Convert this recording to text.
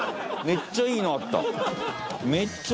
めっちゃイイのあった。